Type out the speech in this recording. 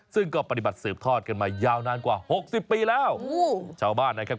ซึ่งก็ปฏิบัติสืบทอดกันมายาวนานกว่าหกสิบปีแล้วชาวบ้านนะครับ